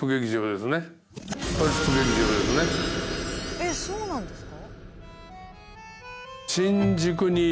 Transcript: えっそうなんですか？